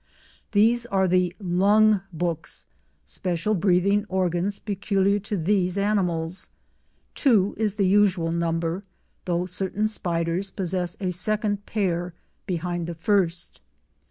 These are the "lung books,"—special breathing organs peculiar to these animals; two is the usual number, though certain spiders possess a second pair behind the first.